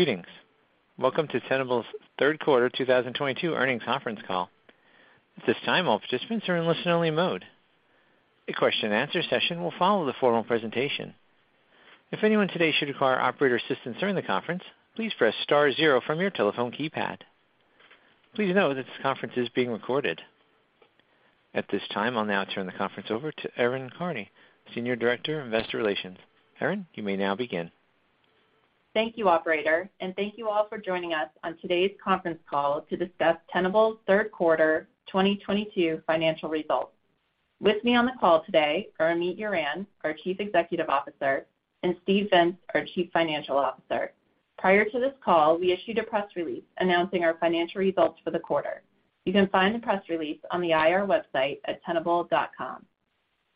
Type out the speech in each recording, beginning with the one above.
Greetings. Welcome to Tenable's third quarter 2022 earnings conference call. At this time, all participants are in listen-only mode. A question and answer session will follow the formal presentation. If anyone today should require operator assistance during the conference, please press star zero from your telephone keypad. Please note that this conference is being recorded. At this time, I'll now turn the conference over to Erin Karney, senior director of investor relations. Erin, you may now begin. Thank you, operator, and thank you all for joining us on today's conference call to discuss Tenable's third quarter 2022 financial results. With me on the call today are Amit Yoran, our Chief Executive Officer, and Steve Vintz, our Chief Financial Officer. Prior to this call, we issued a press release announcing our financial results for the quarter. You can find the press release on the IR website at tenable.com.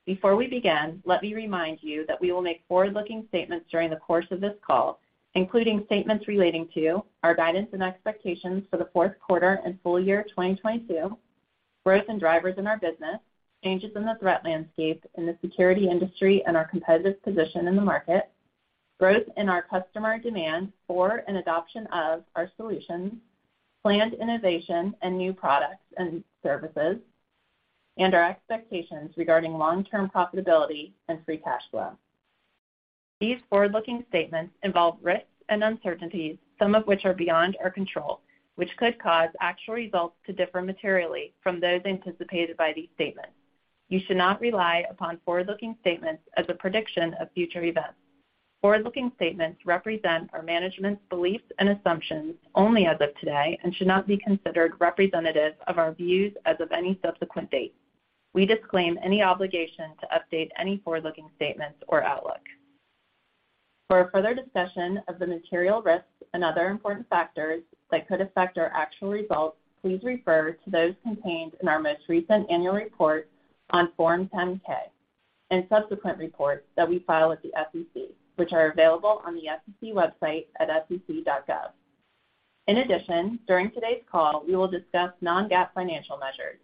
Before we begin, let me remind you that we will make forward-looking statements during the course of this call, including statements relating to our guidance and expectations for the fourth quarter and full year 2022, growth and drivers in our business, changes in the threat landscape in the security industry and our competitive position in the market, growth in our customer demand for and adoption of our solutions, planned innovation and new products and services, and our expectations regarding long-term profitability and free cash flow. These forward-looking statements involve risks and uncertainties, some of which are beyond our control, which could cause actual results to differ materially from those anticipated by these statements. You should not rely upon forward-looking statements as a prediction of future events. Forward-looking statements represent our management's beliefs and assumptions only as of today and should not be considered representative of our views as of any subsequent date. We disclaim any obligation to update any forward-looking statements or outlook. For a further discussion of the material risks and other important factors that could affect our actual results, please refer to those contained in our most recent annual report on Form 10-K and subsequent reports that we file with the SEC, which are available on the SEC website at sec.gov. In addition, during today's call, we will discuss non-GAAP financial measures.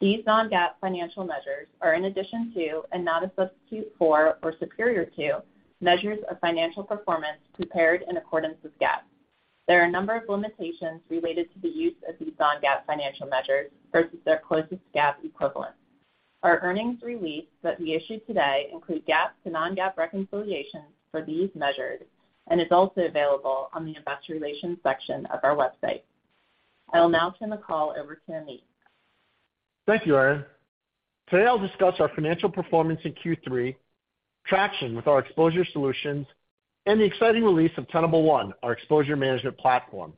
These non-GAAP financial measures are in addition to and not a substitute for or superior to measures of financial performance prepared in accordance with GAAP. There are a number of limitations related to the use of these non-GAAP financial measures versus their closest GAAP equivalent. Our earnings release that we issued today include GAAP to non-GAAP reconciliations for these measures and is also available on the investor relations section of our website. I will now turn the call over to Amit. Thank you, Erin. Today I'll discuss our financial performance in Q3, traction with our exposure solutions, and the exciting release of Tenable One, our exposure management platform.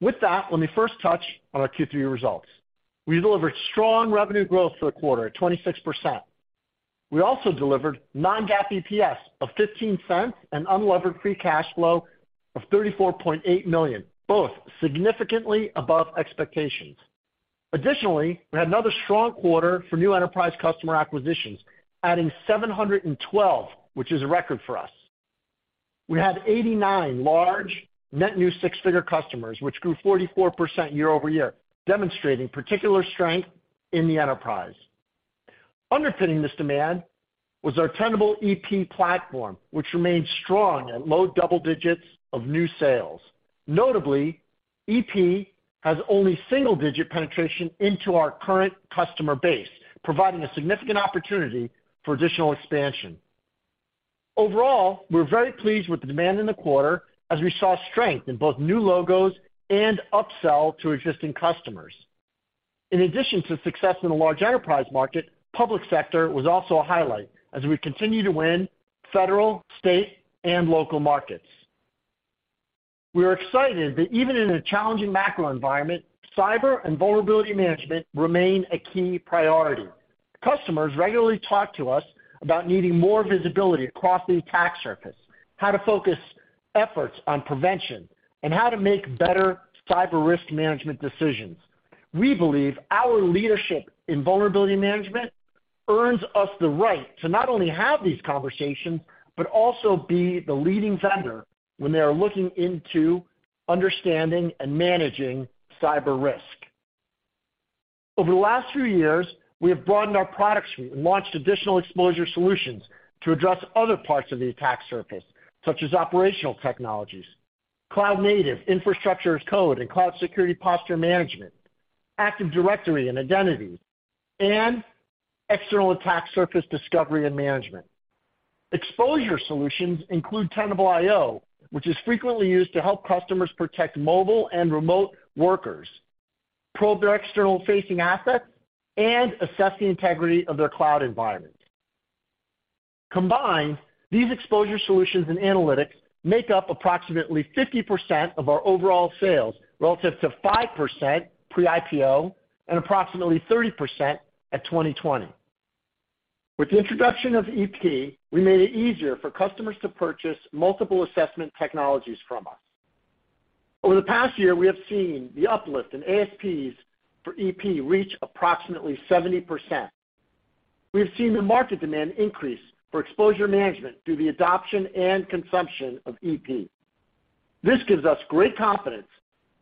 With that, let me first touch on our Q3 results. We delivered strong revenue growth for the quarter at 26%. We also delivered non-GAAP EPS of $0.15 and unlevered free cash flow of $34.8 million, both significantly above expectations. Additionally, we had another strong quarter for new enterprise customer acquisitions, adding 712, which is a record for us. We had 89 large net new six-figure customers, which grew 44% year-over-year, demonstrating particular strength in the enterprise. Underpinning this demand was our Tenable.ep Platform, which remains strong at low double digits of new sales. Notably, EP has only single-digit penetration into our current customer base, providing a significant opportunity for additional expansion. Overall, we're very pleased with the demand in the quarter as we saw strength in both new logos and upsell to existing customers. In addition to success in the large enterprise market, public sector was also a highlight as we continue to win federal, state, and local markets. We are excited that even in a challenging macro environment, cyber and vulnerability management remain a key priority. Customers regularly talk to us about needing more visibility across the attack surface, how to focus efforts on prevention, and how to make better cyber risk management decisions. We believe our leadership in vulnerability management earns us the right to not only have these conversations, but also be the leading vendor when they are looking into understanding and managing cyber risk. Over the last few years, we have broadened our product suite and launched additional exposure solutions to address other parts of the attack surface, such as operational technologies, cloud native infrastructure as code, and Cloud Security Posture Management, Active Directory and identity, and External Attack Surface Management. Exposure solutions include Tenable.io, which is frequently used to help customers protect mobile and remote workers, probe their external facing assets, and assess the integrity of their cloud environment. Combined, these exposure solutions and analytics make up approximately 50% of our overall sales relative to 5% pre-IPO and approximately 30% at 2020. With the introduction of EP, we made it easier for customers to purchase multiple assessment technologies from us. Over the past year, we have seen the uplift in ASPs for EP reach approximately 70%. We have seen the market demand increase for exposure management through the adoption and consumption of EP. This gives us great confidence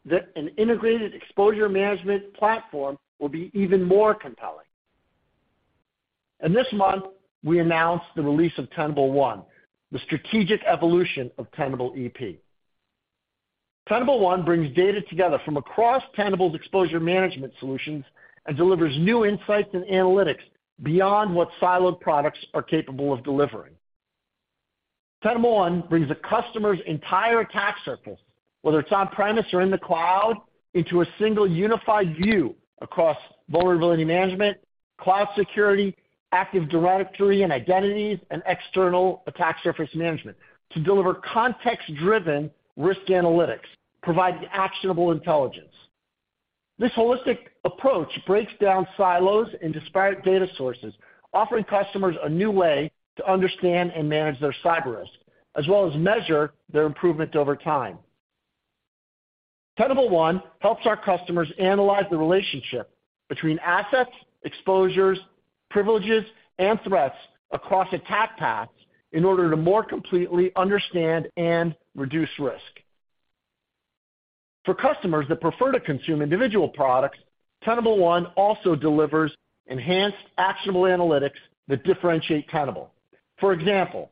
that an integrated exposure management platform will be even more compelling. This month, we announced the release of Tenable One, the strategic evolution of Tenable.ep. Tenable One brings data together from across Tenable's exposure management solutions and delivers new insights and analytics beyond what siloed products are capable of delivering. Tenable One brings a customer's entire attack surface, whether it's on-premise or in the cloud, into a single unified view across vulnerability management, cloud security, Active Directory and identities, and External Attack Surface Management to deliver context-driven risk analytics, providing actionable intelligence. This holistic approach breaks down silos and disparate data sources, offering customers a new way to understand and manage their cyber risk, as well as measure their improvement over time. Tenable One helps our customers analyze the relationship between assets, exposures, privileges, and threats across attack paths in order to more completely understand and reduce risk. For customers that prefer to consume individual products, Tenable One also delivers enhanced actionable analytics that differentiate Tenable. For example,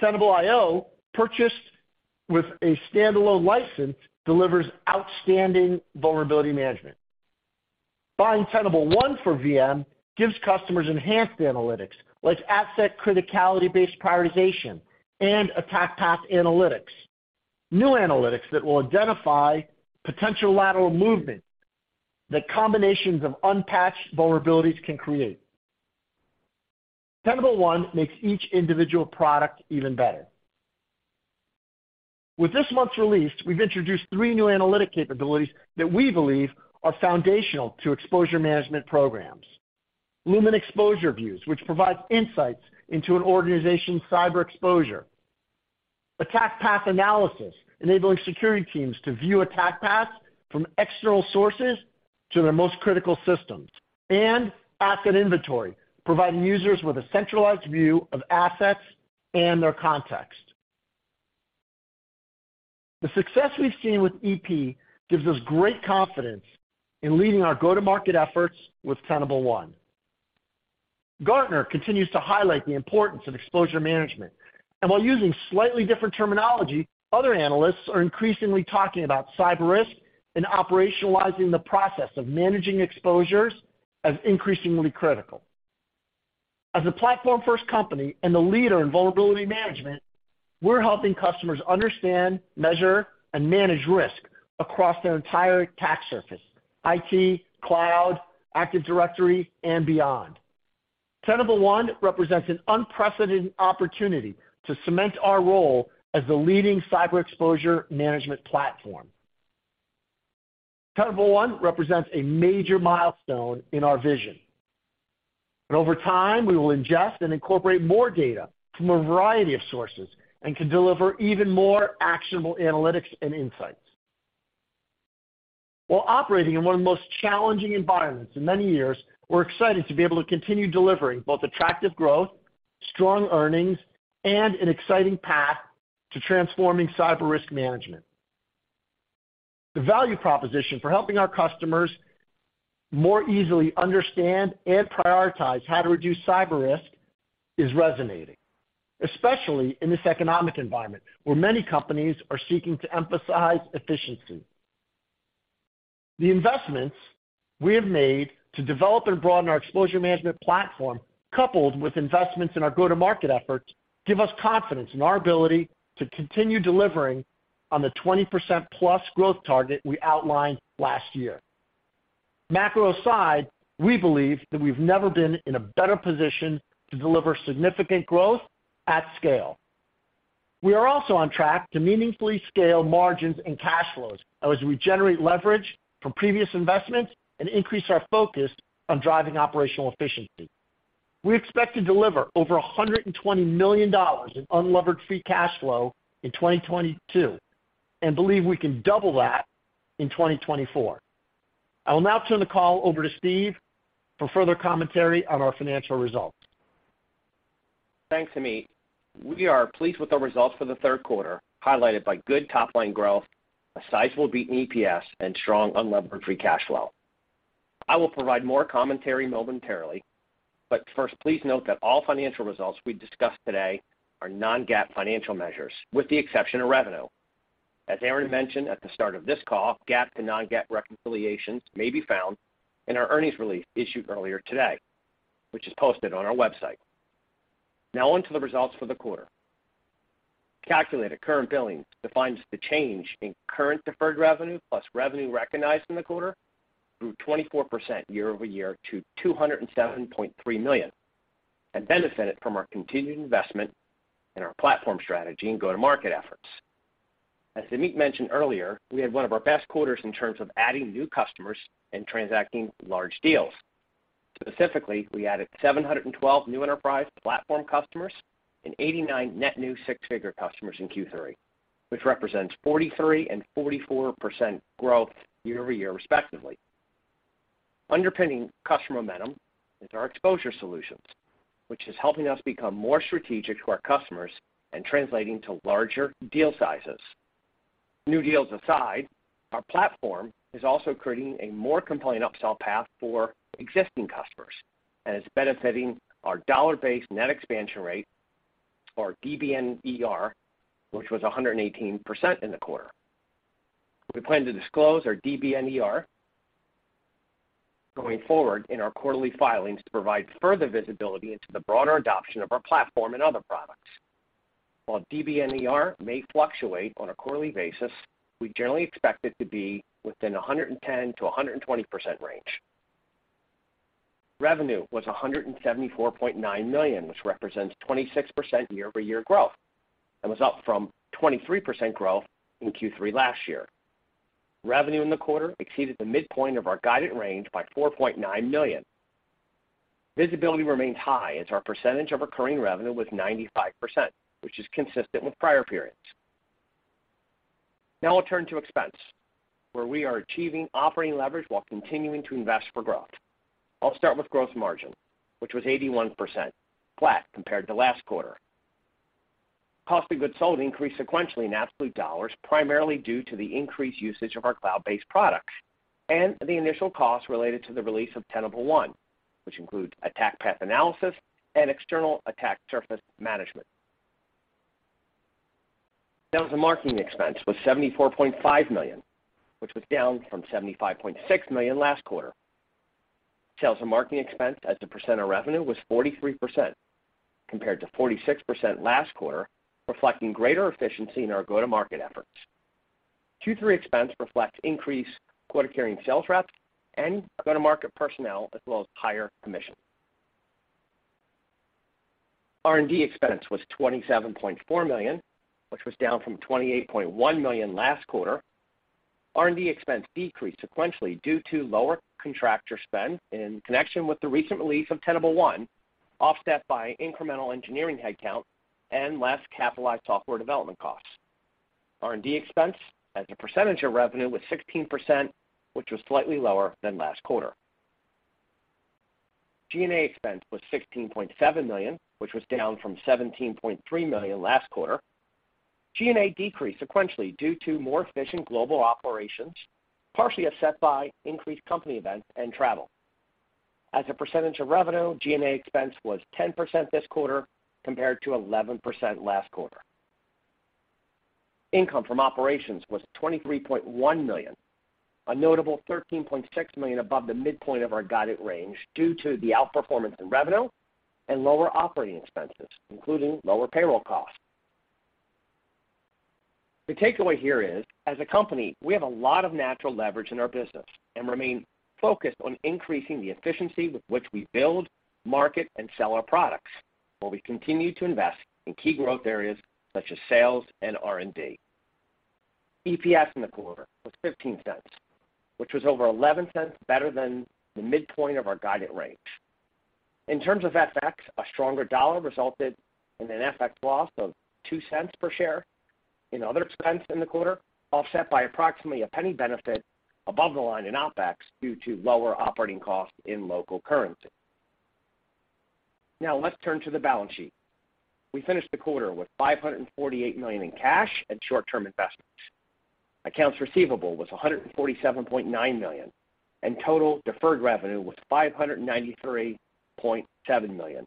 Tenable.io, purchased with a standalone license, delivers outstanding vulnerability management. Buying Tenable One for VM gives customers enhanced analytics like asset criticality-based prioritization and attack path analytics, new analytics that will identify potential lateral movement that combinations of unpatched vulnerabilities can create. Tenable One makes each individual product even better. With this month's release, we've introduced three new analytic capabilities that we believe are foundational to exposure management programs. Lumin Exposure Views, which provides insights into an organization's cyber exposure. Attack Path Analysis, enabling security teams to view attack paths from external sources to their most critical systems. Asset Inventory, providing users with a centralized view of assets and their context. The success we've seen with EP gives us great confidence in leading our go-to-market efforts with Tenable One. Gartner continues to highlight the importance of exposure management. While using slightly different terminology, other analysts are increasingly talking about cyber risk and operationalizing the process of managing exposures as increasingly critical. As a platform-first company and a leader in vulnerability management, we're helping customers understand, measure, and manage risk across their entire attack surface, IT, cloud, Active Directory, and beyond. Tenable One represents an unprecedented opportunity to cement our role as the leading cyber exposure management platform. Tenable One represents a major milestone in our vision, and over time, we will ingest and incorporate more data from a variety of sources and can deliver even more actionable analytics and insights. While operating in one of the most challenging environments in many years, we're excited to be able to continue delivering both attractive growth, strong earnings, and an exciting path to transforming cyber risk management. The value proposition for helping our customers more easily understand and prioritize how to reduce cyber risk is resonating, especially in this economic environment where many companies are seeking to emphasize efficiency. The investments we have made to develop and broaden our exposure management platform, coupled with investments in our go-to-market efforts, give us confidence in our ability to continue delivering on the 20%+ growth target we outlined last year. Macro aside, we believe that we've never been in a better position to deliver significant growth at scale. We are also on track to meaningfully scale margins and cash flows as we generate leverage from previous investments and increase our focus on driving operational efficiency. We expect to deliver over $120 million in unlevered free cash flow in 2022, and believe we can double that in 2024. I will now turn the call over to Steve Vintz for further commentary on our financial results. Thanks, Amit. We are pleased with our results for the third quarter, highlighted by good top-line growth, a sizable beat in EPS, and strong unlevered free cash flow. I will provide more commentary momentarily, but first, please note that all financial results we discuss today are non-GAAP financial measures, with the exception of revenue. As Erin mentioned at the start of this call, GAAP to non-GAAP reconciliations may be found in our earnings release issued earlier today, which is posted on our website. Now on to the results for the quarter. Calculated current billings, defined as the change in current deferred revenue plus revenue recognized in the quarter, grew 24% year-over-year to $207.3 million and benefited from our continued investment in our platform strategy and go-to-market efforts. As Amit mentioned earlier, we had one of our best quarters in terms of adding new customers and transacting large deals. Specifically, we added 712 new enterprise platform customers and 89 net new six-figure customers in Q3, which represents 43% and 44% growth year-over-year respectively. Underpinning customer momentum is our exposure solutions, which is helping us become more strategic to our customers and translating to larger deal sizes. New deals aside, our platform is also creating a more compelling upsell path for existing customers and is benefiting our dollar-based net expansion rate, or DBNER, which was 118% in the quarter. We plan to disclose our DBNER going forward in our quarterly filings to provide further visibility into the broader adoption of our platform and other products. While DBNER may fluctuate on a quarterly basis, we generally expect it to be within a 110%-120% range. Revenue was $174.9 million, which represents 26% year-over-year growth and was up from 23% growth in Q3 last year. Revenue in the quarter exceeded the midpoint of our guided range by $4.9 million. Visibility remains high as our percentage of recurring revenue was 95%, which is consistent with prior periods. Now we'll turn to expense, where we are achieving operating leverage while continuing to invest for growth. I'll start with gross margin, which was 81%, flat compared to last quarter. Cost of goods sold increased sequentially in absolute dollars, primarily due to the increased usage of our cloud-based products and the initial costs related to the release of Tenable One, which includes Attack Path Analysis and External Attack Surface Management. Sales and marketing expense was $74.5 million, which was down from $75.6 million last quarter. Sales and marketing expense as a percent of revenue was 43% compared to 46% last quarter, reflecting greater efficiency in our go-to-market efforts. Q3 expense reflects increased quota-carrying sales reps and go-to-market personnel, as well as higher commission. R&D expense was $27.4 million, which was down from $28.1 million last quarter. R&D expense decreased sequentially due to lower contractor spend in connection with the recent release of Tenable One, offset by incremental engineering headcount and less capitalized software development costs. R&D expense as a percentage of revenue was 16%, which was slightly lower than last quarter. G&A expense was $16.7 million, which was down from $17.3 million last quarter. G&A decreased sequentially due to more efficient global operations, partially offset by increased company events and travel. As a percentage of revenue, G&A expense was 10% this quarter, compared to 11% last quarter. Income from operations was $23.1 million, a notable $13.6 million above the midpoint of our guided range due to the outperformance in revenue and lower operating expenses, including lower payroll costs. The takeaway here is, as a company, we have a lot of natural leverage in our business and remain focused on increasing the efficiency with which we build, market, and sell our products, while we continue to invest in key growth areas such as sales and R&D. EPS in the quarter was $0.15, which was over $0.11 better than the midpoint of our guided range. In terms of FX, a stronger dollar resulted in an FX loss of $0.02 per share in other expense in the quarter, offset by approximately a $0.01 benefit above the line in OpEx due to lower operating costs in local currency. Now let's turn to the balance sheet. We finished the quarter with $548 million in cash and short-term investments. Accounts receivable was $147.9 million, and total deferred revenue was $593.7 million,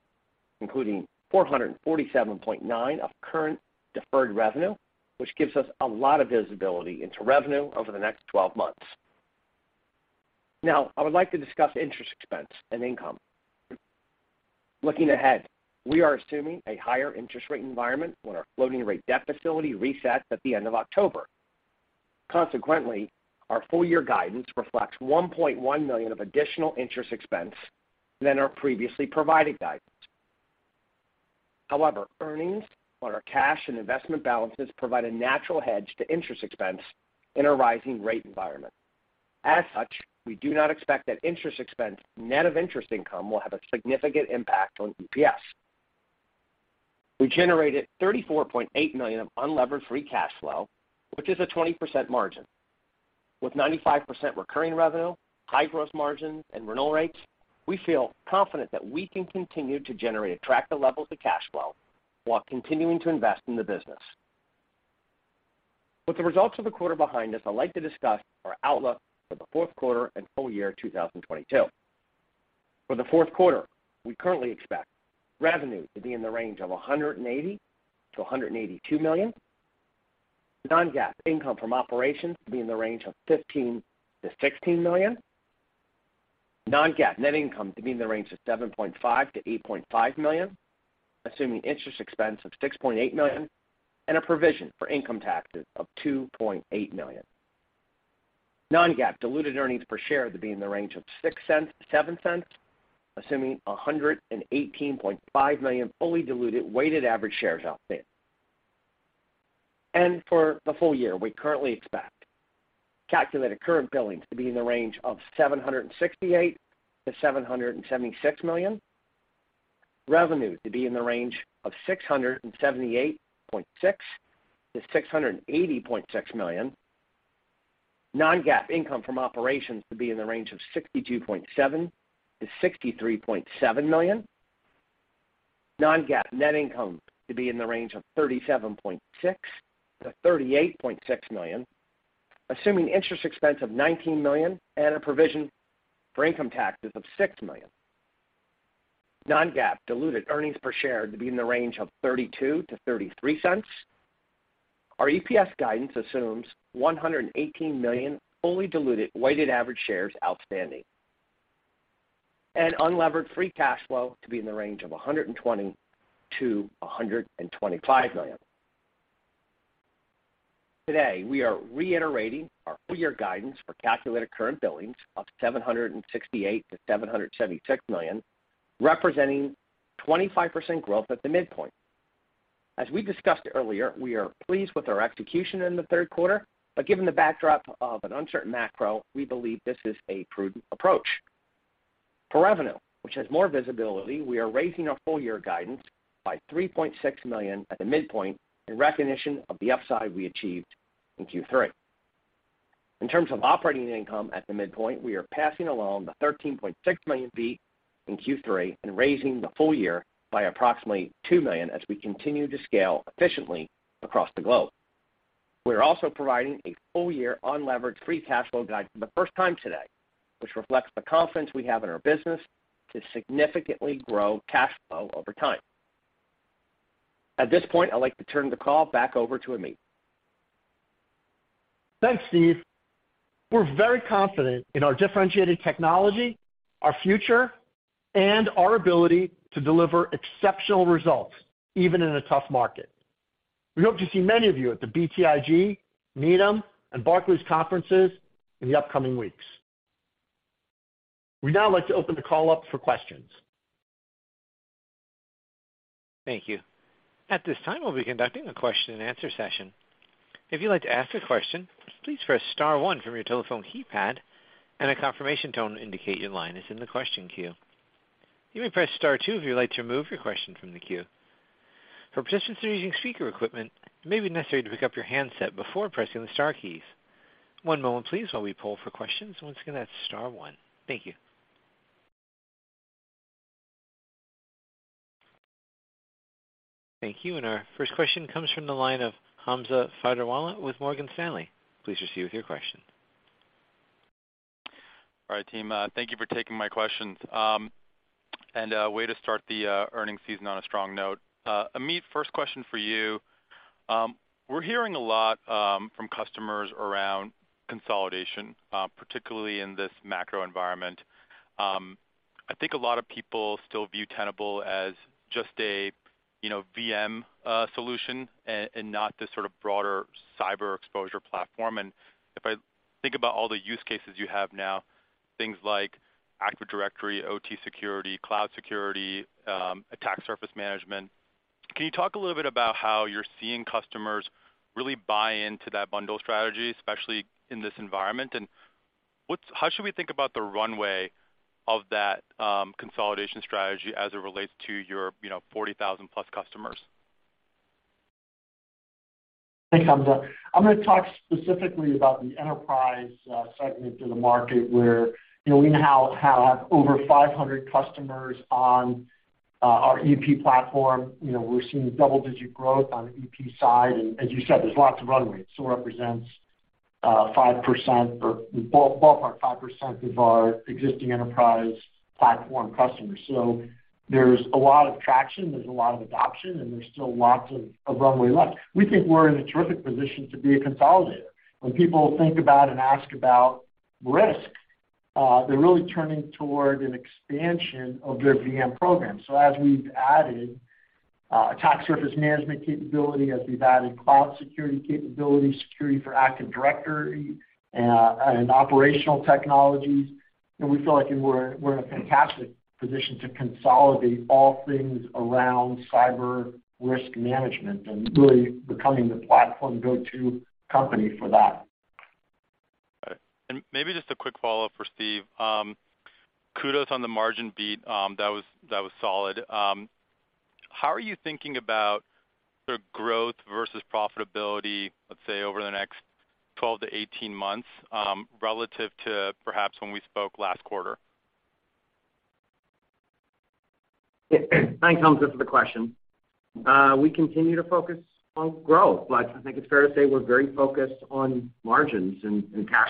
including $447.9 million of current deferred revenue, which gives us a lot of visibility into revenue over the next 12 months. Now, I would like to discuss interest expense and income. Looking ahead, we are assuming a higher interest rate environment when our floating rate debt facility resets at the end of October. Consequently, our full year guidance reflects $1.1 million of additional interest expense than our previously provided guidance. However, earnings on our cash and investment balances provide a natural hedge to interest expense in a rising rate environment. As such, we do not expect that interest expense net of interest income will have a significant impact on EPS. We generated $34.8 million of unlevered free cash flow, which is a 20% margin. With 95% recurring revenue, high gross margins, and renewal rates, we feel confident that we can continue to generate attractive levels of cash flow while continuing to invest in the business. With the results of the quarter behind us, I'd like to discuss our outlook for the fourth quarter and full year 2022. For the fourth quarter, we currently expect revenue to be in the range of $180 million-$182 million. Non-GAAP income from operations to be in the range of $15million-$16 million. Non-GAAP net income to be in the range of $7.5 million-$8.5 million, assuming interest expense of $6.8 million and a provision for income taxes of $2.8 million. Non-GAAP diluted earnings per share to be in the range of $0.06-$0.07, assuming 118.5 million fully diluted weighted average shares outstanding. For the full year, we currently expect calculated current billings to be in the range of $768 million-$776 million. Revenue to be in the range of $678.6 million-$680.6 million. Non-GAAP income from operations to be in the range of $62.7 million-$63.7 million. Non-GAAP net income to be in the range of $37.6 million-$38.6 million, assuming interest expense of $19 million and a provision for income taxes of $6 million. Non-GAAP diluted earnings per share to be in the range of $0.32-$0.33. Our EPS guidance assumes 118 million fully diluted weighted average shares outstanding. Unlevered free cash flow to be in the range of $120 million-$125 million. Today, we are reiterating our full year guidance for calculated current billings of $768 million-$776 million, representing 25% growth at the midpoint. As we discussed earlier, we are pleased with our execution in the third quarter, but given the backdrop of an uncertain macro, we believe this is a prudent approach. For revenue, which has more visibility, we are raising our full year guidance by $3.6 million at the midpoint in recognition of the upside we achieved in Q3. In terms of operating income at the midpoint, we are passing along the $13.6 million beat in Q3 and raising the full year by approximately $2 million as we continue to scale efficiently across the globe. We're also providing a full year unlevered free cash flow guide for the first time today, which reflects the confidence we have in our business to significantly grow cash flow over time. At this point, I'd like to turn the call back over to Amit. Thanks, Steve. We're very confident in our differentiated technology, our future, and our ability to deliver exceptional results, even in a tough market. We hope to see many of you at the BTIG, Needham, and Barclays conferences in the upcoming weeks. We'd now like to open the call up for questions. Thank you. At this time, we'll be conducting a question and answer session. If you'd like to ask a question, please press star one from your telephone keypad, and a confirmation tone will indicate your line is in the question queue. You may press star two if you would like to remove your question from the queue. For participants who are using speaker equipment, it may be necessary to pick up your handset before pressing the star keys. One moment please while we poll for questions. Once again, that's star one. Thank you. Thank you. Our first question comes from the line of Hamza Fodderwala with Morgan Stanley. Please proceed with your question. All right, team, thank you for taking my questions. Way to start the earnings season on a strong note. Amit, first question for you. We're hearing a lot from customers around consolidation, particularly in this macro environment. I think a lot of people still view Tenable as just a, you know, VM solution and not the sort of broader cyber exposure platform. If I think about all the use cases you have now, things like Active Directory, OT security, cloud security, attack surface management, can you talk a little bit about how you're seeing customers really buy into that bundle strategy, especially in this environment? How should we think about the runway of that consolidation strategy as it relates to your, you know, 40,000+ customers? Thanks, Hamza. I'm gonna talk specifically about the enterprise segment of the market where, you know, we now have over 500 customers on our EP platform. You know, we're seeing double-digit growth on the EP side. As you said, there's lots of runway. It still represents 5% or 4.5% of our existing enterprise platform customers. So there's a lot of traction, there's a lot of adoption, and there's still lots of runway left. We think we're in a terrific position to be a consolidator. When people think about and ask about risk, they're really turning toward an expansion of their VM program. As we've added attack surface management capability, as we've added cloud security capabilities, security for Active Directory, and operational technologies, and we feel like we're in a fantastic position to consolidate all things around cyber risk management and really becoming the platform go-to company for that. All right. Maybe just a quick follow-up for Steve. Kudos on the margin beat. That was solid. How are you thinking about the growth versus profitability, let's say, over the next 12-18 months, relative to perhaps when we spoke last quarter? Thanks, Hamza, for the question. We continue to focus on growth. I think it's fair to say we're very focused on margins and cash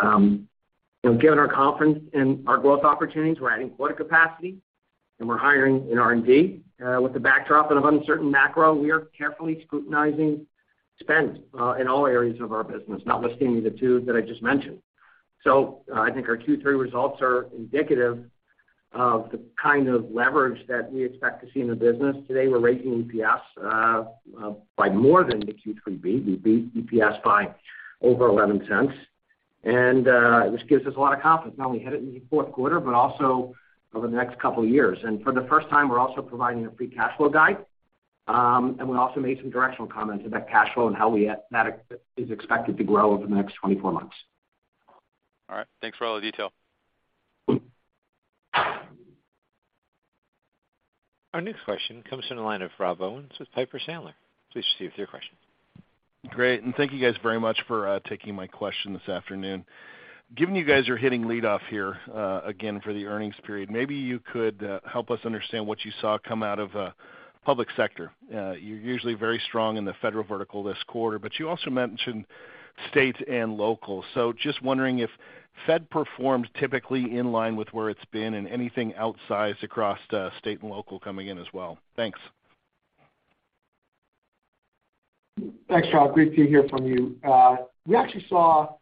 flow. You know, given our confidence in our growth opportunities, we're adding quarter capacity and we're hiring in R&D. With the backdrop of uncertain macro, we are carefully scrutinizing spend in all areas of our business, not listing the two that I just mentioned. I think our Q3 results are indicative of the kind of leverage that we expect to see in the business today. We're raising EPS by more than the Q3 beat. We beat EPS by over $0.11. This gives us a lot of confidence, not only headed into the fourth quarter, but also over the next couple of years. For the first time, we're also providing a free cash flow guide. We also made some directional comments about cash flow and how that is expected to grow over the next 24 months. All right. Thanks for all the detail. Our next question comes from the line of Rob Owens with Piper Sandler. Please proceed with your question. Great. Thank you guys very much for taking my question this afternoon. Given you guys are hitting lead off here, again for the earnings period, maybe you could help us understand what you saw come out of public sector. You're usually very strong in the federal vertical this quarter, but you also mentioned states and local. Just wondering if Fed performed typically in line with where it's been, and anything outsized across the state and local coming in as well. Thanks. Thanks, Rob. Great to hear from you. We actually saw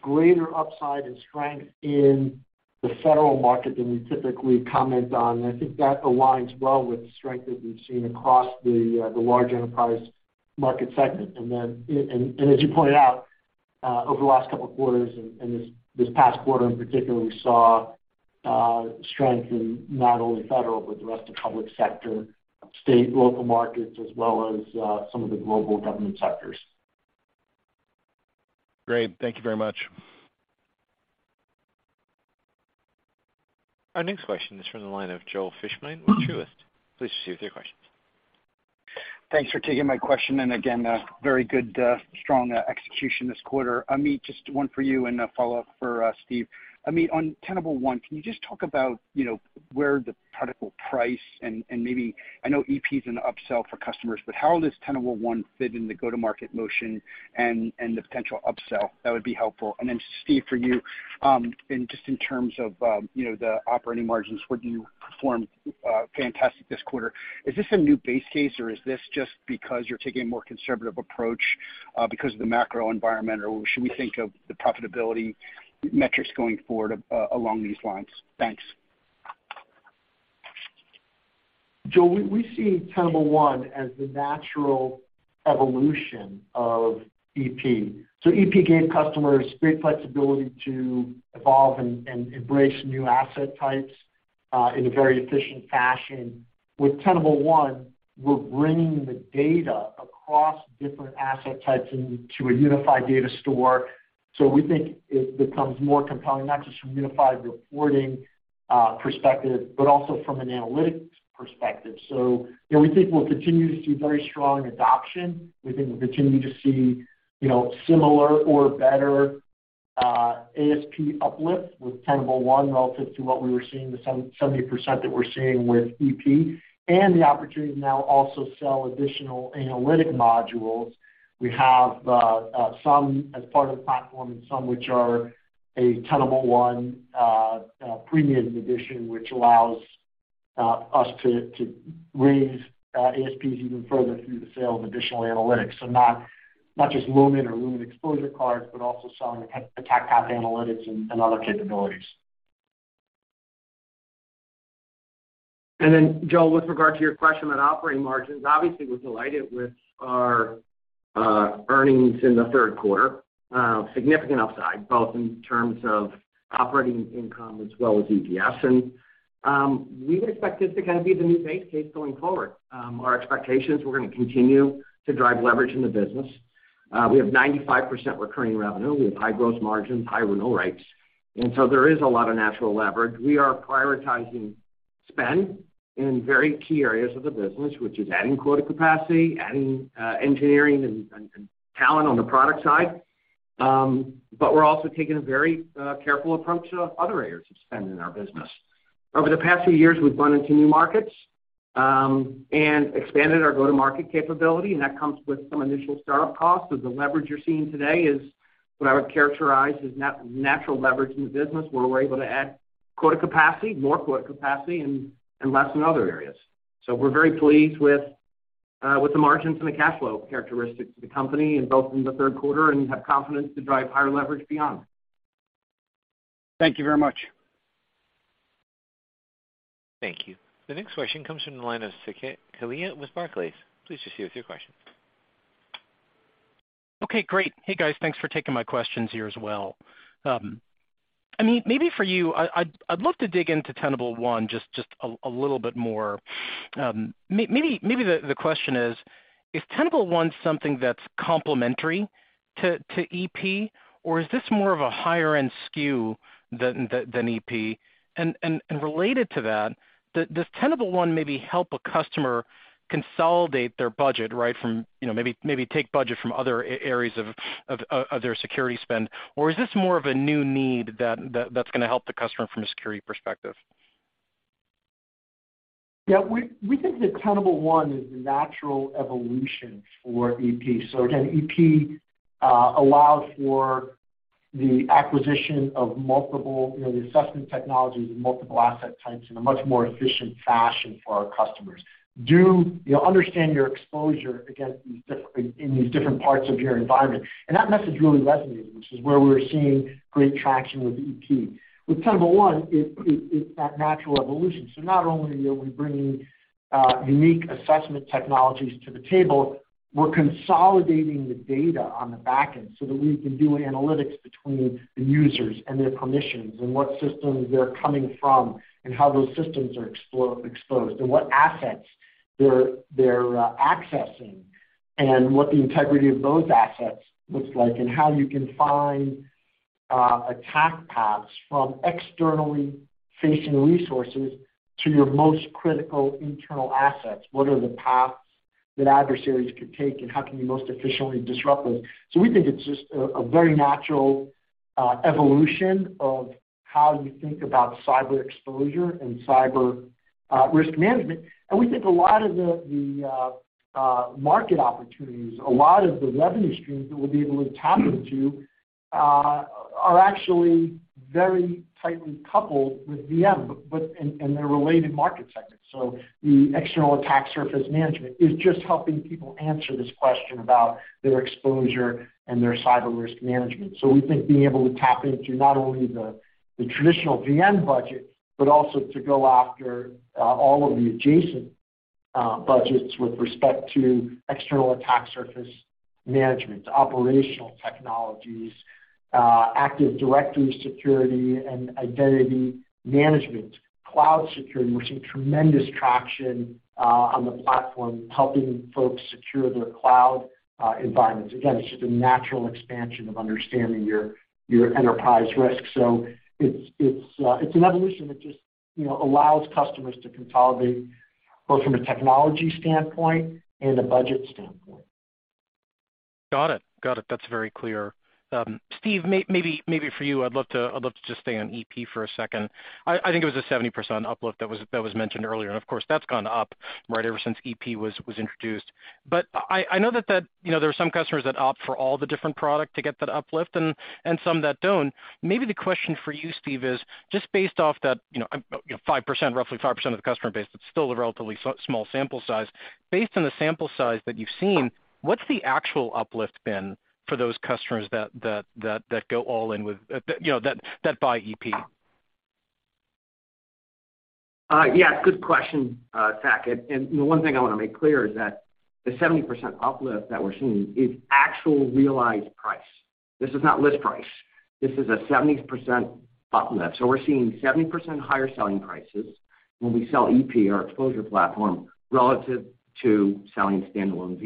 greater upside and strength in the federal market than we typically comment on. I think that aligns well with the strength that we've seen across the large enterprise market segment. Then, as you pointed out, over the last couple of quarters and this past quarter in particular, we saw strength in not only federal, but the rest of public sector, state, local markets, as well as some of the global government sectors. Great. Thank you very much. Our next question is from the line of Joel Fishbein with Truist. Please proceed with your questions. Thanks for taking my question. Again, a very good, strong execution this quarter. Amit, just one for you and a follow-up for Steve. Amit, on Tenable One, can you just talk about, you know, where the product will price and maybe I know EP is an upsell for customers, but how does Tenable One fit in the go-to-market motion and the potential upsell? That would be helpful. Then Steve, for you, in terms of, you know, the operating margins, where you performed fantastic this quarter, is this a new base case or is this just because you're taking a more conservative approach because of the macro environment, or should we think of the profitability metrics going forward along these lines? Thanks. Joel, we see Tenable One as the natural evolution of EP. EP gave customers great flexibility to evolve and embrace new asset types in a very efficient fashion. With Tenable One, we're bringing the data across different asset types into a unified data store. We think it becomes more compelling, not just from unified reporting perspective, but also from an analytics perspective. You know, we think we'll continue to see very strong adoption. We think we'll continue to see, you know, similar or better ASP uplifts with Tenable One relative to what we were seeing, the 70% that we're seeing with EP and the opportunity to now also sell additional analytic modules. We have some, as part of the platform and some which are a Tenable One premium edition, which allows us to raise ASPs even further through the sale of additional analytics. Not just management or remediation exposure cards, but also selling Attack Path Analysis and other capabilities. Joel, with regard to your question on operating margins, obviously we're delighted with our earnings in the third quarter, significant upside, both in terms of operating income as well as EPS. We would expect this to kind of be the new base case going forward. Our expectation is we're gonna continue to drive leverage in the business. We have 95% recurring revenue. We have high gross margins, high renewal rates, and so there is a lot of natural leverage. We are prioritizing spend in very key areas of the business, which is adding quota capacity, adding engineering and talent on the product side. We're also taking a very careful approach to other areas of spend in our business. Over the past few years, we've gone into new markets and expanded our go-to-market capability, and that comes with some initial start-up costs. The leverage you're seeing today is what I would characterize as natural leverage in the business, where we're able to add quota capacity, more quota capacity and less in other areas. We're very pleased with the margins and the cash flow characteristics of the company and both in the third quarter and have confidence to drive higher leverage beyond. Thank you very much. Thank you. The next question comes from the line of Saket Kalia with Barclays. Please proceed with your question. Okay, great. Hey guys, thanks for taking my questions here as well. I mean, maybe for you, I'd love to dig into Tenable One just a little bit more. Maybe the question is Tenable One something that's complementary to EP, or is this more of a higher end SKU than EP? Related to that, does Tenable One maybe help a customer consolidate their budget, right? From, you know, maybe take budget from other areas of their security spend, or is this more of a new need that's gonna help the customer from a security perspective? Yeah. We think that Tenable One is the natural evolution for EP. Again, EP allows for the acquisition of multiple, you know, the assessment technologies and multiple asset types in a much more efficient fashion for our customers. You'll understand your exposure in these different parts of your environment. That message really resonated, which is where we're seeing great traction with EP. With Tenable One, it's that natural evolution. Not only are we bringing unique assessment technologies to the table, we're consolidating the data on the back end so that we can do analytics between the users and their permissions, and what systems they're coming from and how those systems are exposed, and what assets they're accessing, and what the integrity of those assets looks like, and how you can find attack paths from externally facing resources to your most critical internal assets. What are the paths that adversaries could take, and how can you most efficiently disrupt those? We think it's just a very natural evolution of how you think about cyber exposure and cyber risk management. We think a lot of the market opportunities, a lot of the revenue streams that we'll be able to tap into, are actually very tightly coupled with VM and their related market segments. The External Attack Surface Management is just helping people answer this question about their exposure and their cyber risk management. We think being able to tap into not only the traditional VM budget, but also to go after all of the adjacent budgets with respect to External Attack Surface Management, operational technologies, Active Directory security and identity management, cloud security. We're seeing tremendous traction on the platform helping folks secure their cloud environments. Again, it's just a natural expansion of understanding your enterprise risk. It's an evolution that just, you know, allows customers to consolidate both from a technology standpoint and a budget standpoint. Got it. Got it. That's very clear. Steve, maybe for you, I'd love to just stay on EP for a second. I think it was a 70% uplift that was mentioned earlier, and of course, that's gone up, right, ever since EP was introduced. I know that, you know, there are some customers that opt for all the different product to get that uplift and some that don't. Maybe the question for you, Steve, is just based off that, you know, 5%, roughly 5% of the customer base, it's still a relatively small sample size. Based on the sample size that you've seen, what's the actual uplift been for those customers that go all in with that, you know, that buy EP? Yeah, good question, Saket. You know, one thing I want to make clear is that the 70% uplift that we're seeing is actual realized price. This is not list price. This is a 70% uplift. We're seeing 70% higher selling prices when we sell EP, our exposure platform, relative to selling standalone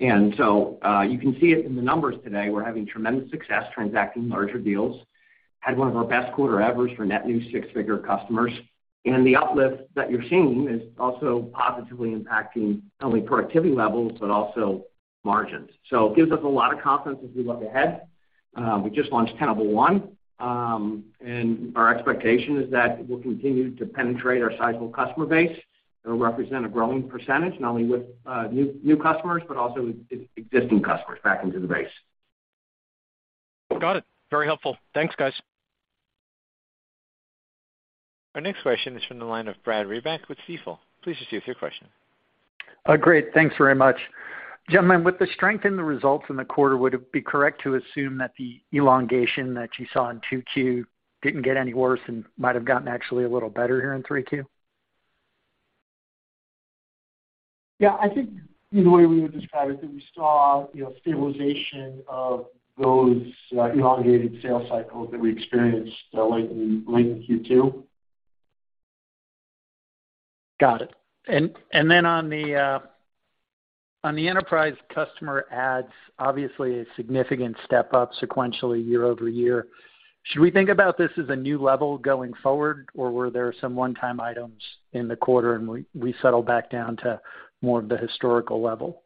VM. You can see it in the numbers today. We're having tremendous success transacting larger deals. Had one of our best quarter ever for net new six-figure customers. The uplift that you're seeing is also positively impacting not only productivity levels but also margins. It gives us a lot of confidence as we look ahead. We just launched Tenable One. Our expectation is that we'll continue to penetrate our sizable customer base. It'll represent a growing percentage, not only with new customers, but also existing customers back into the base. Got it. Very helpful. Thanks, guys. Our next question is from the line of Brad Reback with Stifel. Please proceed with your question. Great. Thanks very much. Gentlemen, with the strength in the results in the quarter, would it be correct to assume that the elongation that you saw in 2Q didn't get any worse and might have gotten actually a little better here in 3Q? Yeah. I think the way we would describe it is we saw, you know, stabilization of those elongated sales cycles that we experienced late in Q2. Got it. On the enterprise customer adds obviously a significant step up sequentially year over year. Should we think about this as a new level going forward, or were there some one-time items in the quarter, and we settle back down to more of the historical level?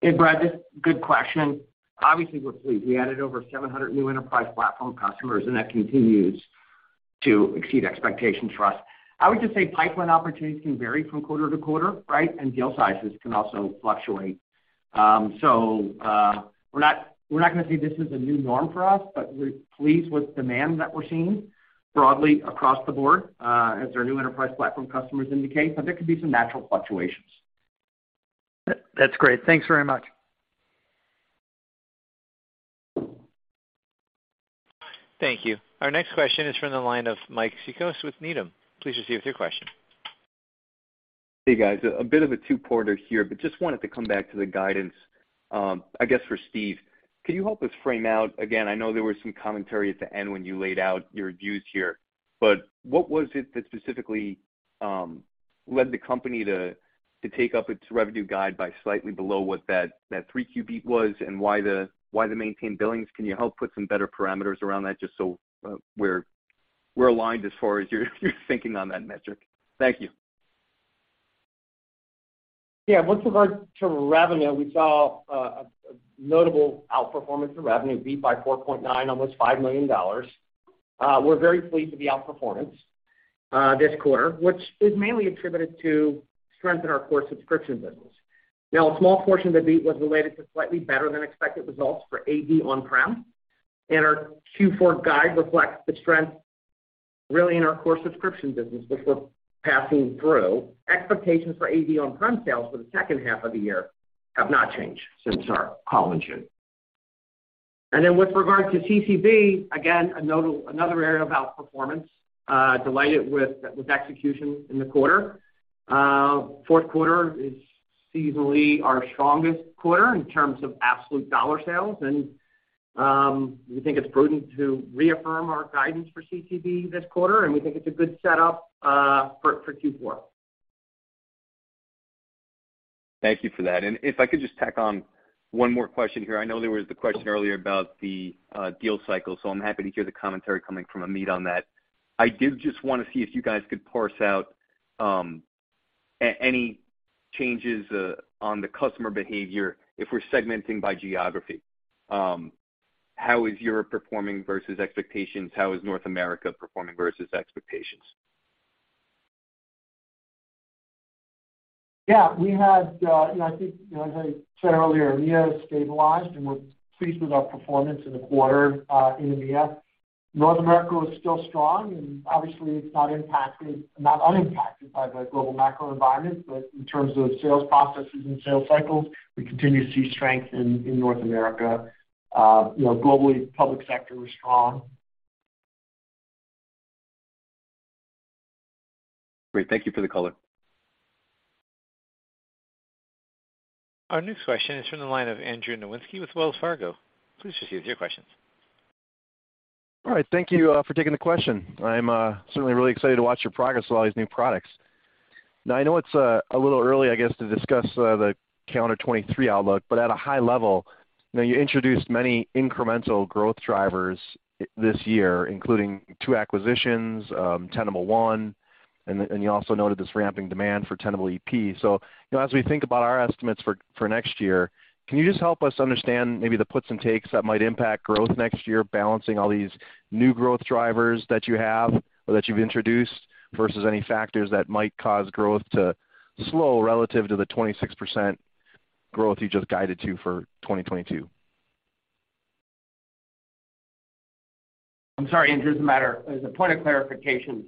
Hey, Brad. Good question. Obviously, we're pleased. We added over 700 new enterprise platform customers, and that continues to exceed expectations for us. I would just say pipeline opportunities can vary from quarter to quarter, right, and deal sizes can also fluctuate. We're not gonna say this is a new norm for us, but we're pleased with demand that we're seeing broadly across the board, as our new enterprise platform customers indicate, but there could be some natural fluctuations. That, that's great. Thanks very much. Thank you. Our next question is from the line of Mike Cikos with Needham. Please proceed with your question. Hey, guys. A bit of a two-parter here, but just wanted to come back to the guidance, I guess for Steve. Can you help us frame out. Again, I know there was some commentary at the end when you laid out your views here. But what was it that specifically led the company to take up its revenue guide by slightly below what that 3Q beat was and why the maintained billings? Can you help put some better parameters around that just so we're aligned as far as your thinking on that metric? Thank you. Yeah. With regard to revenue, we saw a notable outperformance of revenue beat by $4.9 million, almost $5 million. We're very pleased with the outperformance this quarter, which is mainly attributed to strength in our core subscription business. Now, a small portion of the beat was related to slightly better than expected results for AD on-prem, and our Q4 guide reflects the strength really in our core subscription business, which we're passing through. Expectations for AD on-prem sales for the second half of the year have not changed since our call in June. Then with regard to CCB, again, another area of outperformance. Delighted with the execution in the quarter. Fourth quarter is seasonally our strongest quarter in terms of absolute dollar sales. We think it's prudent to reaffirm our guidance for CCB this quarter, and we think it's a good setup for Q4. Thank you for that. If I could just tack on one more question here. I know there was the question earlier about the deal cycle, so I'm happy to hear the commentary coming from Amit on that. I did just wanna see if you guys could parse out any changes on the customer behavior if we're segmenting by geography. How is Europe performing versus expectations? How is North America performing versus expectations? Yeah. We had, you know, I think, you know, as I said earlier, EMEA has stabilized, and we're pleased with our performance in the quarter, in EMEA. North America was still strong, and obviously, it's not unimpacted by the global macro environment. In terms of sales processes and sales cycles, we continue to see strength in North America. You know, globally, public sector was strong. Great. Thank you for the color. Our next question is from the line of Andrew Nowinski with Wells Fargo. Please proceed with your questions. All right. Thank you for taking the question. I'm certainly really excited to watch your progress with all these new products. Now I know it's a little early, I guess, to discuss the calendar 2023 outlook, but at a high level, you know, you introduced many incremental growth drivers this year, including two acquisitions, Tenable One, and you also noted this ramping demand for Tenable.ep. You know, as we think about our estimates for next year, can you just help us understand maybe the puts and takes that might impact growth next year, balancing all these new growth drivers that you have or that you've introduced versus any factors that might cause growth to slow relative to the 26% growth you just guided to for 2022? I'm sorry, Andrew, as a point of clarification.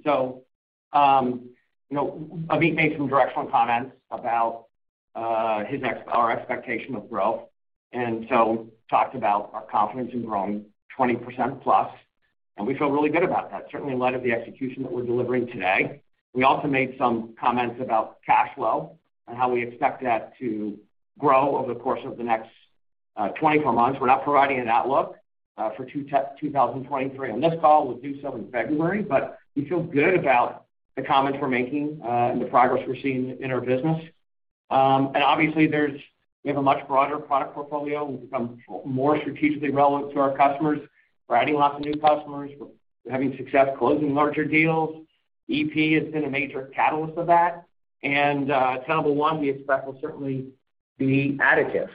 You know, Amit made some directional comments about our expectation of growth, and talked about our confidence in growing 20%+, and we feel really good about that, certainly in light of the execution that we're delivering today. We also made some comments about cash flow and how we expect that to grow over the course of the next 24 months. We're not providing an outlook for 2023 on this call. We'll do so in February, but we feel good about the comments we're making and the progress we're seeing in our business. Obviously we have a much broader product portfolio. We've become more strategically relevant to our customers. We're adding lots of new customers. We're having success closing larger deals. Tenable.ep has been a major catalyst of that. Tenable One, we expect, will certainly be additive.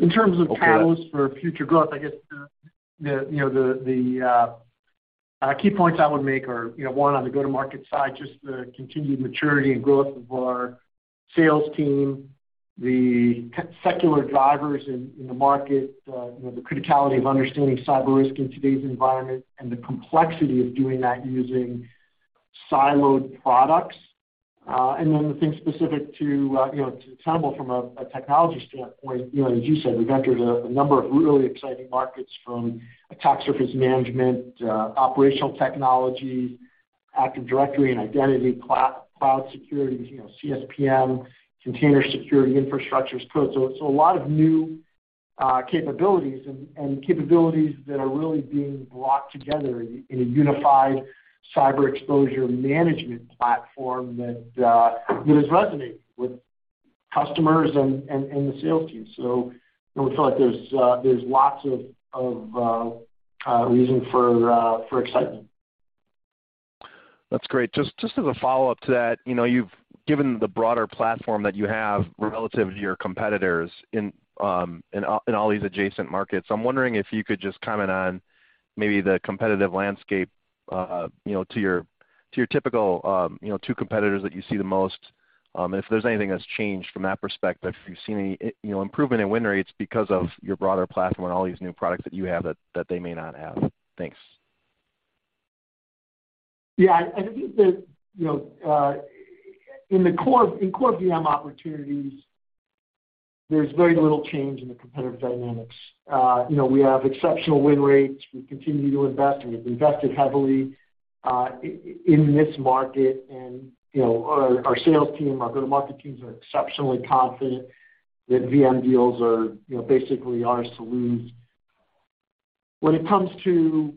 In terms of catalyst for future growth, I guess you know the key points I would make are, you know, one, on the go-to-market side, just the continued maturity and growth of our sales team, the secular drivers in the market, you know, the criticality of understanding cyber risk in today's environment and the complexity of doing that using siloed products. The things specific to Tenable from a technology standpoint, you know, as you said, we've entered a number of really exciting markets from attack surface management to operational technology, Active Directory and identity, public cloud security, you know, CSPM, container security, infrastructure as code. A lot of new capabilities and capabilities that are really being brought together in a unified cyber exposure management platform that is resonating with customers and the sales team. We feel like there's lots of reason for excitement. That's great. Just as a follow-up to that, you know, you've given the broader platform that you have relative to your competitors in all these adjacent markets. I'm wondering if you could just comment on maybe the competitive landscape, you know, to your typical two competitors that you see the most, and if there's anything that's changed from that perspective. If you've seen any, you know, improvement in win rates because of your broader platform and all these new products that you have that they may not have. Thanks. Yeah. I think that, you know, in the core VM opportunities, there's very little change in the competitive dynamics. You know, we have exceptional win rates. We continue to invest, and we've invested heavily in this market. You know, our sales team, our go-to-market teams are exceptionally confident that VM deals are, you know, basically ours to lose. When it comes to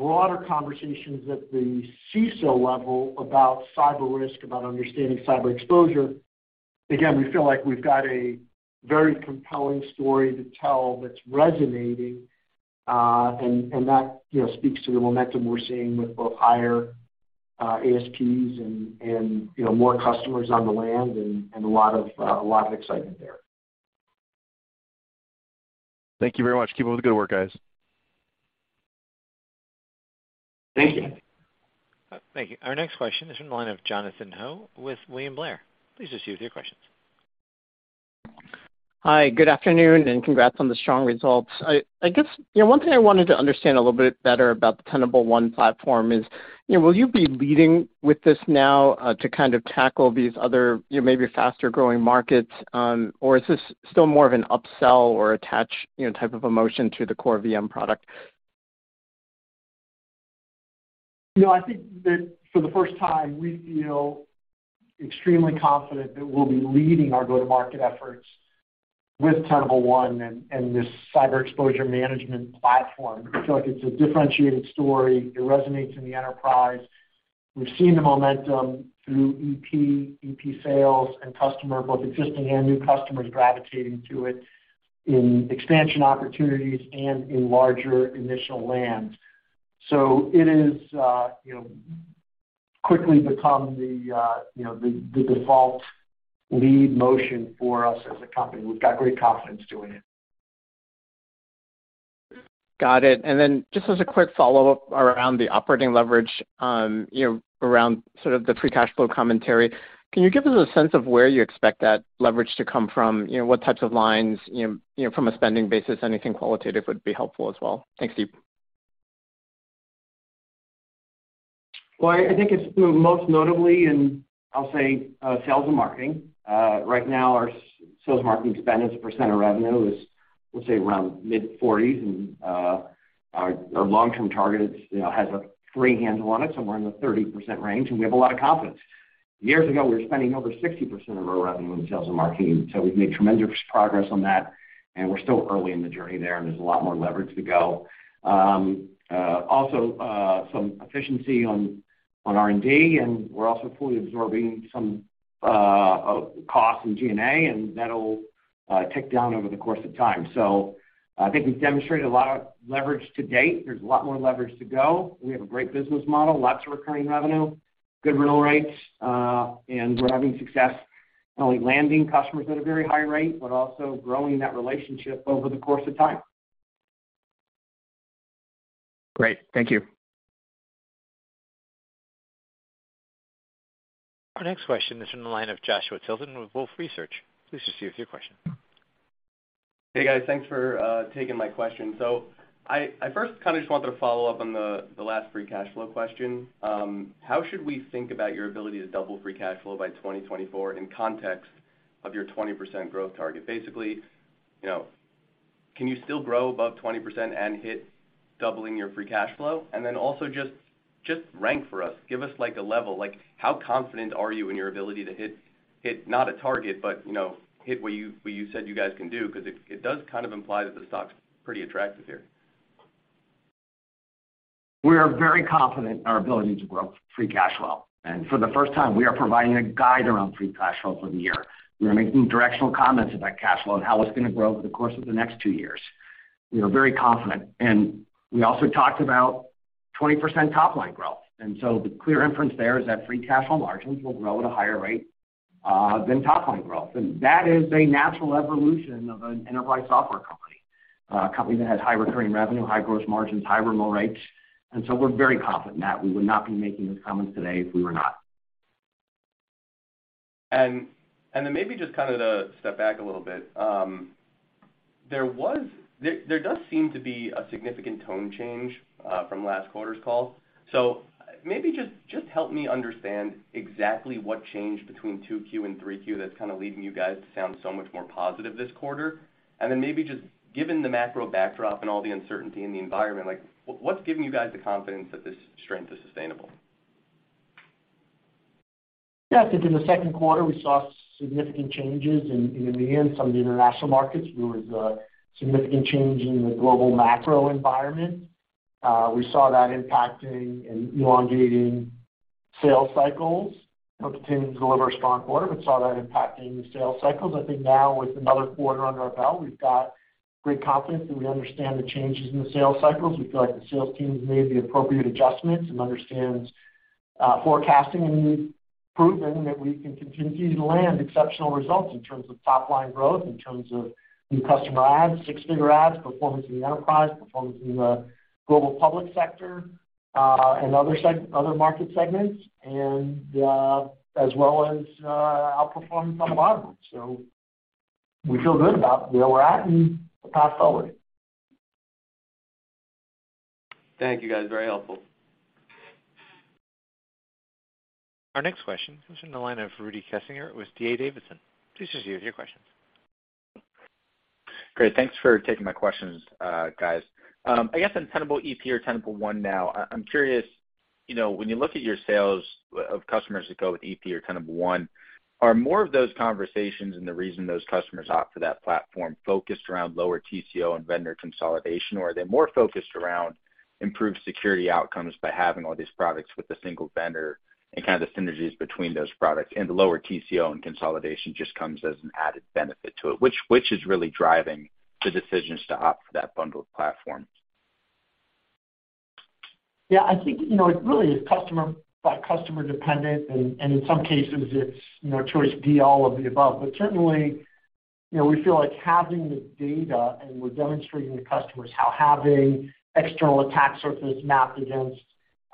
broader conversations at the CISO level about cyber risk, about understanding cyber exposure, again, we feel like we've got a very compelling story to tell that's resonating, and that, you know, speaks to the momentum we're seeing with both higher ASPs and, you know, more customers on the land and a lot of excitement there. Thank you very much. Keep up the good work, guys. Thank you. Thank you. Our next question is from the line of Jonathan Ho with William Blair. Please just give your questions. Hi, good afternoon, and congrats on the strong results. I guess, you know, one thing I wanted to understand a little bit better about the Tenable One platform is, you know, will you be leading with this now, to kind of tackle these other, you know, maybe faster-growing markets? Or is this still more of an upsell or attach, you know, type of a motion to the core VM product? You know, I think that for the first time, we feel extremely confident that we'll be leading our go-to-market efforts with Tenable One and this cyber exposure management platform. I feel like it's a differentiated story. It resonates in the enterprise. We've seen the momentum through EP sales, and customers, both existing and new, gravitating to it in expansion opportunities and in larger initial lands. It is, you know, the default lead motion for us as a company. We've got great confidence doing it. Got it. Just as a quick follow-up around the operating leverage, you know, around sort of the free cash flow commentary. Can you give us a sense of where you expect that leverage to come from? You know, what types of lines, you know, from a spending basis, anything qualitative would be helpful as well. Thanks, Steve. Well, I think it's most notably in. I'll say sales and marketing. Right now, our sales and marketing spend as a percent of revenue is, let's say, around mid-40s, and our long-term target, you know, has a three handle on it, somewhere in the 30% range, and we have a lot of confidence. Years ago, we were spending over 60% of our revenue in sales and marketing. We've made tremendous progress on that, and we're still early in the journey there, and there's a lot more leverage to go. Also, some efficiency on R&D, and we're also fully absorbing some costs in G&A, and that'll tick down over the course of time. I think we've demonstrated a lot of leverage to date. There's a lot more leverage to go. We have a great business model, lots of recurring revenue, good renewal rates, and we're having success not only landing customers at a very high rate, but also growing that relationship over the course of time. Great. Thank you. Our next question is from the line of Joshua Tilton with Wolfe Research. Please proceed with your question. Hey, guys. Thanks for taking my question. I first kind of just wanted to follow up on the last free cash flow question. How should we think about your ability to double free cash flow by 2024 in context of your 20% growth target? Basically, you know, can you still grow above 20% and hit doubling your free cash flow? And then also just rank for us. Give us, like, a level. Like, how confident are you in your ability to hit not a target, but, you know, hit what you said you guys can do? 'Cause it does kind of imply that the stock's pretty attractive here. We are very confident in our ability to grow free cash flow. For the first time, we are providing a guide around free cash flow for the year. We are making directional comments about cash flow and how it's gonna grow over the course of the next two years. We are very confident. We also talked about 20% top-line growth. The clear inference there is that free cash flow margins will grow at a higher rate than top-line growth. That is a natural evolution of an enterprise software company, a company that has high recurring revenue, high gross margins, high remote rates. We're very confident in that. We would not be making those comments today if we were not. Then maybe just kind of to step back a little bit. There does seem to be a significant tone change from last quarter's call. Maybe just help me understand exactly what changed between 2Q and 3Q that's kinda leading you guys to sound so much more positive this quarter. Then maybe just given the macro backdrop and all the uncertainty in the environment, like what's giving you guys the confidence that this strength is sustainable? Yeah. I think in the second quarter, we saw significant changes in EMEA and some of the international markets. There was a significant change in the global macro environment. We saw that impacting and elongating sales cycles. You know, continued to deliver a strong quarter, but saw that impacting the sales cycles. I think now with another quarter under our belt, we've got great confidence that we understand the changes in the sales cycles. We feel like the sales teams made the appropriate adjustments and understands forecasting, and we've proven that we can continue to land exceptional results in terms of top-line growth, in terms of new customer adds, six-figure adds, performance in the enterprise, performance in the global public sector, and other market segments and, as well as, outperformance on the bottom line. We feel good about where we're at and the path forward. Thank you, guys. Very helpful. Our next question is from the line of Rudy Kessinger with D.A. Davidson. Please proceed with your question. Great. Thanks for taking my questions, guys. I guess in Tenable.ep Or Tenable One now, I'm curious, you know, when you look at your sales of customers that go with EP or Tenable One, are more of those conversations and the reason those customers opt for that platform focused around lower TCO and vendor consolidation, or are they more focused around improved security outcomes by having all these products with a single vendor and kind of the synergies between those products, and the lower TCO and consolidation just comes as an added benefit to it? Which is really driving the decisions to opt for that bundled platform? Yeah. I think, you know, it really is customer by customer dependent, and in some cases it's, you know, choice D, all of the above. Certainly, you know, we feel like having the data and we're demonstrating to customers how having external attack surface mapped against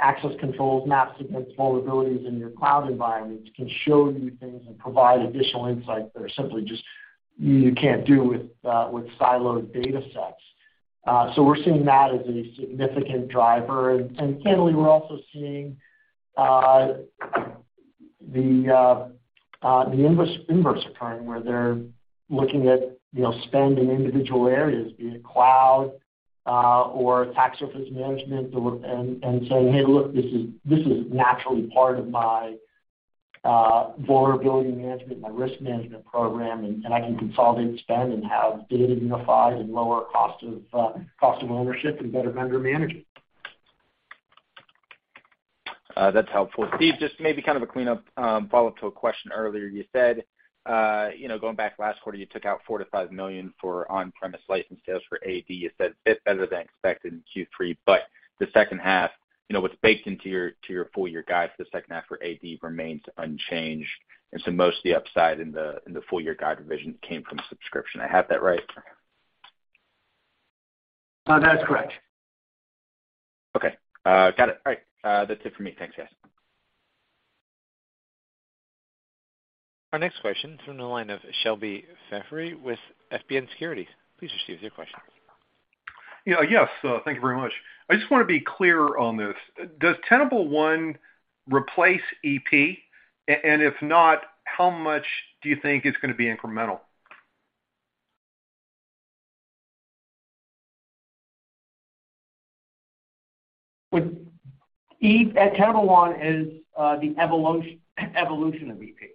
access controls, mapped against vulnerabilities in your cloud environments can show you things and provide additional insight that you simply just can't do with siloed datasets. We're seeing that as a significant driver. Candidly, we're also seeing the inverse occurring, where they're looking at, you know, spend in individual areas, be it cloud or attack surface management or. saying, "Hey, look, this is naturally part of my vulnerability management and my risk management program, and I can consolidate spend and have data unified and lower cost of ownership and better vendor management. That's helpful. Steve, just maybe kind of a cleanup, follow-up to a question earlier. You said, you know, going back last quarter, you took out $4 million-$5 million for on-premise license sales for AD. You said a bit better than expected in Q3, but the second half, you know, what's baked into your full-year guide for the second half for AD remains unchanged. Most of the upside in the full-year guide revision came from subscription. I have that right? That's correct. Okay. Got it. All right. That's it for me. Thanks, guys. Our next question is from the line of Shebly Seyrafi with FBN Securities. Please proceed with your question. Yeah. Yes, thank you very much. I just wanna be clear on this. Does Tenable One replace EP? And if not, how much do you think is gonna be incremental? Tenable One is the evolution of EP.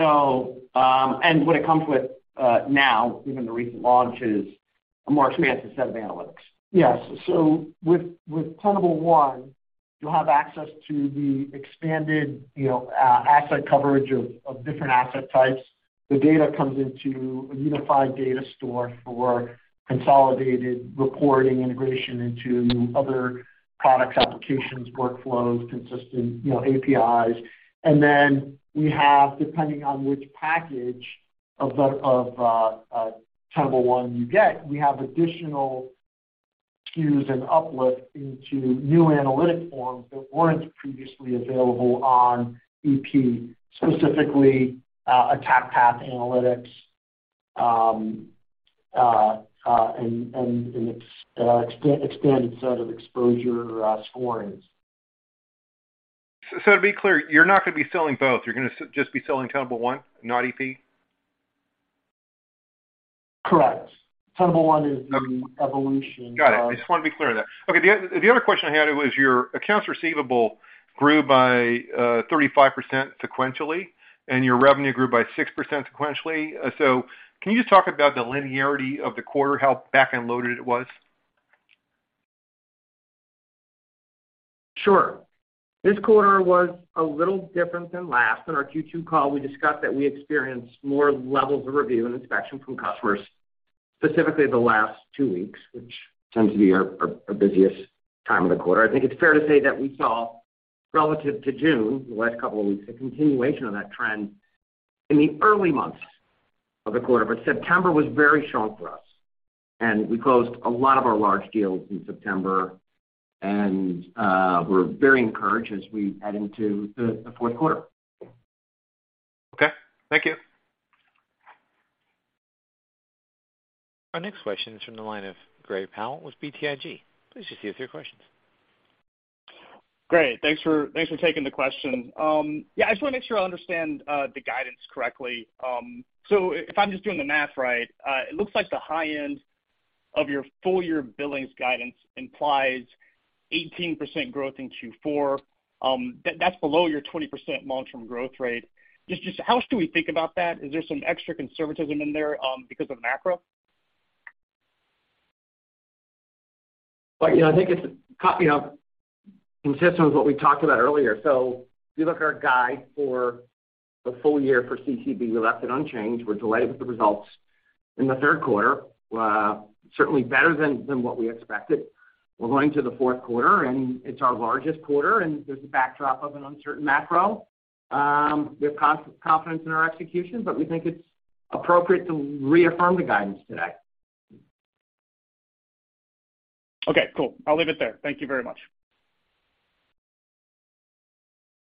What it comes with, now, given the recent launch, is a more expansive set of analytics. Yes. With Tenable One, you'll have access to the expanded, you know, asset coverage of different asset types. The data comes into a unified data store for consolidated reporting integration into other products, applications, workflows, consistent, you know, APIs. We have, depending on which package of the Tenable One you get, additional queues and uplift into new analytic forms that weren't previously available on EP, specifically, Attack Path Analysis and extended set of exposure scorings. To be clear, you're not gonna be selling both. You're gonna just be selling Tenable One, not EP? Correct. Tenable One is the evolution of- Got it. I just wanna be clear on that. Okay. The other question I had was your accounts receivable grew by 35% sequentially, and your revenue grew by 6% sequentially. Can you just talk about the linearity of the quarter, how back-end loaded it was? Sure. This quarter was a little different than last. In our Q2 call, we discussed that we experienced more levels of review and inspection from customers, specifically the last two weeks, which tends to be our busiest time of the quarter. I think it's fair to say that we saw relative to June, the last couple of weeks, a continuation of that trend in the early months of the quarter. September was very strong for us, and we closed a lot of our large deals in September and we're very encouraged as we head into the fourth quarter. Okay. Thank you. Our next question is from the line of Gray Powell with BTIG. Please proceed with your questions. Great. Thanks for taking the question. Yeah, I just wanna make sure I understand the guidance correctly. If I'm just doing the math right, it looks like the high end of your full year billings guidance implies 18% growth in Q4. That's below your 20% long-term growth rate. Just how else do we think about that? Is there some extra conservatism in there because of macro? Well, you know, I think it's you know, consistent with what we talked about earlier. If you look at our guide for the full year for CCB, we left it unchanged. We're delighted with the results in the third quarter. Certainly better than what we expected. We're going to the fourth quarter, and it's our largest quarter, and there's a backdrop of an uncertain macro. We have confidence in our execution, but we think it's appropriate to reaffirm the guidance today. Okay, cool. I'll leave it there. Thank you very much.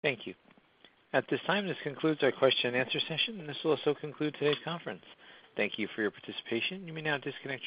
Thank you. At this time, this concludes our question and answer session, and this will also conclude today's conference. Thank you for your participation. You may now disconnect your lines.